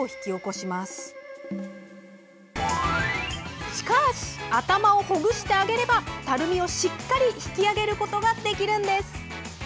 しかし、頭をほぐしてあげればたるみをしっかり引き上げることができるんです。